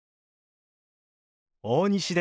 大西です。